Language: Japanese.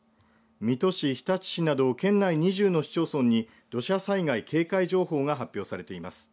水戸市、日立市など県内２０の市町村に土砂災害警戒情報が発表されています。